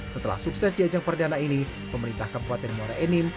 setelah sukses di ajang perdana ini pemerintah kabupaten muara enim